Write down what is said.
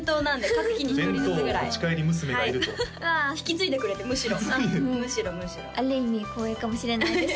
各期に１人ずつぐらい弁当を持ち帰り娘がいると引き継いでくれてむしろむしろむしろある意味光栄かもしれないです